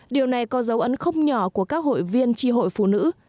điều này có dấu ấn không nhỏ của các hội viên tri hội phụ nữ